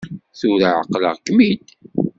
Tura ɛeqleɣ-kem-id.